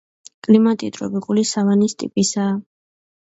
კლიმატი ტროპიკული სავანის ტიპისაა.